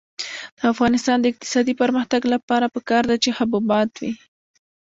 د افغانستان د اقتصادي پرمختګ لپاره پکار ده چې حبوبات وي.